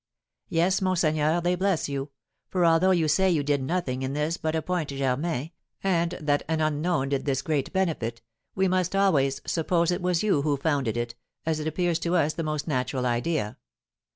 "Yes, monseigneur, they bless you; for, although you say you did nothing in this but appoint Germain, and that an unknown did this great benefit, we must always, suppose it was you who founded it, as it appears to us the most natural idea.